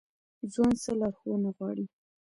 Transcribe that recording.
ځوان څه لارښوونه غواړي؟